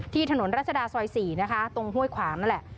ถนนรัชดาซอย๔นะคะตรงห้วยขวางนั่นแหละ